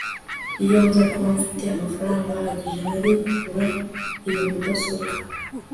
iyo nza kuba mfite amafaranga ahagije, nari kugura iyo mudasobwa